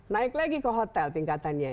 naik lagi ke hotel tingkatannya